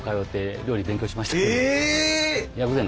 え！